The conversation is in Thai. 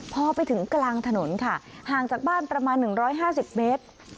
พอไปถึงกลางถนนค่ะห่างจากบ้านประมาณ๑๕๐เมตร